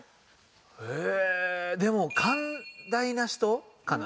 えでも寛大な人かな